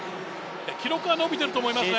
記録は伸びてると思いますね。